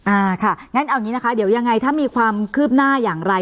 อ่าค่ะงั้นเอาอย่างนี้นะคะเดี๋ยวยังไงถ้ามีความคืบหน้าอย่างไร